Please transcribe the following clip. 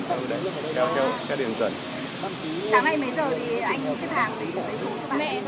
sáng nay mấy giờ thì anh cũng xếp hàng